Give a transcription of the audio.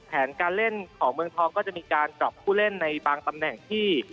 แผนการเล่นของเมืองทองก็จะมีการปรับผู้เล่นในบางตำแหน่งที่